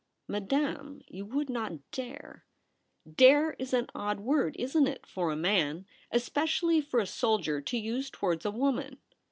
' Madame, you would not dare '' Dare is an odd word, isn't it, for a man, especially for a soldier, to use towards a woman